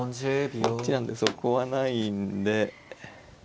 こっちなんでそこはないんで。